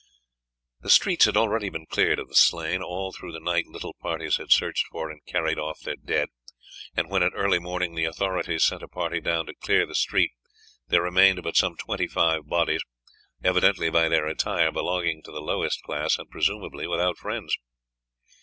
The streets had already been cleared of the slain. All through the night little parties had searched for and carried off their dead, and when at early morning the authorities sent a party down to clear the street there remained but some twenty five bodies, evidently by their attire belonging to the lowest class, and presumably without friends.